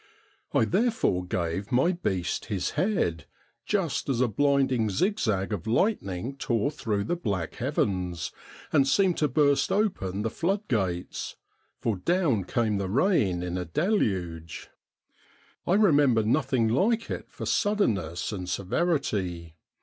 I therefore gave my beast his head, just as a blinding zigzag of lightning tore through the black heavens, and seemed to burst open the flood gates, for down came the rain in a deluge. I remember nothing like it for suddenness and severity.